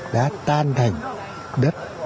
đã tan thành đất